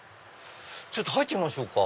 ちょっと入ってみましょうか。